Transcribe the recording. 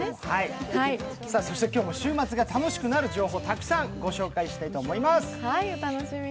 そして今日も週末が楽しくなる情報をたくさんお伝えしていきます。